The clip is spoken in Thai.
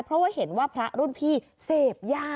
เพราะว่าเห็นว่าพระรุ่นพี่เสพยา